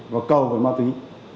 và cầu của ma túy